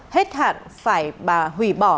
hết hạn phải hủy bỏ